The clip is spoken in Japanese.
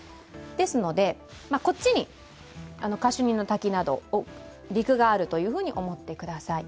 ですので、こっちにカシュニの滝など、陸があると思ってください。